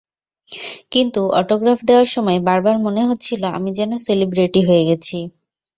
কিন্তু অটোগ্রাফ দেওয়ার সময় বারবার মনে হচ্ছিল আমি যেন সেলিব্রেটি হয়ে গেছি।